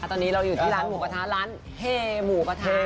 ตอนนี้เราอยู่ที่ร้านหมูกระทะร้านเฮหมูกระทะ